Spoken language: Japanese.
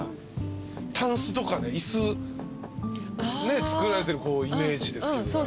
タンスとか椅子作られてるイメージですけど。